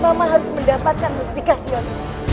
mama harus mendapatkan rustikasi ongkong